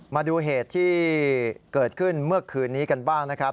มาดูเหตุที่เกิดขึ้นเมื่อคืนนี้กันบ้างนะครับ